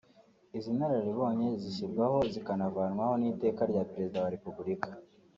Izi nararibonye zishyirwaho zikanavanwaho n’Iteka rya Perezida wa Repuburika